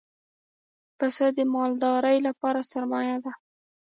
پسه د مالدار لپاره سرمایه ده.